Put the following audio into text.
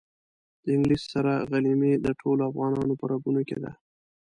د انګلیس سره غلیمي د ټولو افغانانو په رګونو کې ده.